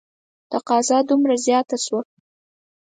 تقاضا دومره زیاته شوه.